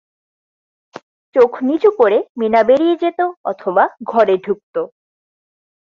চোখ নিচু করে মিনা বেরিয়ে যেতো অথবা ঘরে ঢুকতো।